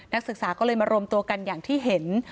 นักศึกษาก็เลยมารวมตัวกันอย่างที่เห็น